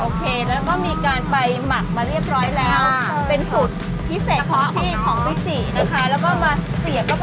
โอเคแล้วก็มีการไปหมักมาเรียบร้อยแล้ว